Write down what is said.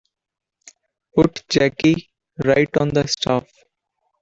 Put Jackie right on the staff.